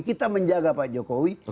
kita menjaga pak jokowi